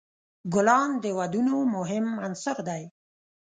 ګلان د ودونو مهم عنصر دی.